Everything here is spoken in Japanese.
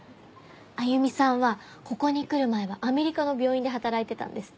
歩さんはここに来る前はアメリカの病院で働いてたんですって。